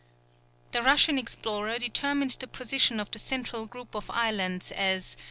The Russian explorer determined the position of the central group of islets as S.